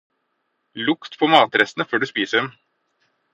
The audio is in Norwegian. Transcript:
Lukt på matrestene før du spiser dem.